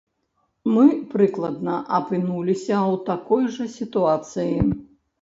Мы, прыкладна, апынуліся ў такой жа сітуацыі.